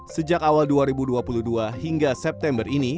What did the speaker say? sejak awal dua ribu dua puluh dua hingga september ini